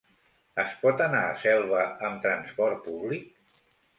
Es pot anar a Selva amb transport públic?